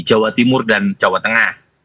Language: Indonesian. jawa timur dan jawa tengah